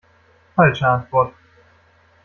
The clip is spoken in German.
Falsche Antwort.